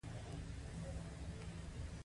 په توکو کې خرابوالی بل لامل دی.